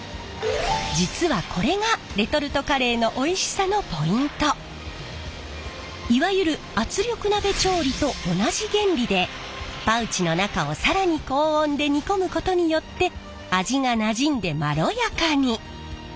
実はこれがいわゆる圧力鍋調理と同じ原理でパウチの中を更に高温で煮込むことによって味がなじんでまろやかに。